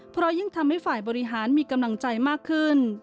เพราะยิ่งทำให้ฝ่ายบริหารมีกำลังใจมากขึ้น